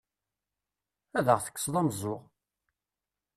Ad aɣ-tekkseḍ ameẓẓuɣ!